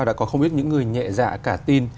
đã có không ít những người nhẹ dạ cả tin